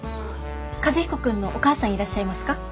和彦君のお母さんいらっしゃいますか？